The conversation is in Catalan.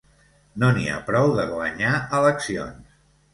No n’hi ha prou de guanyar eleccions.